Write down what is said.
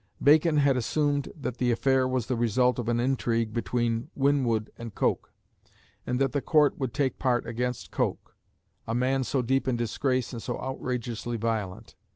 Bacon had assumed that the affair was the result of an intrigue between Winwood and Coke, and that the Court would take part against Coke, a man so deep in disgrace and so outrageously violent.